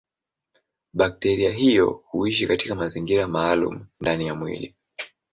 Bakteria hiyo huishi katika mazingira maalumu ndani ya mwili.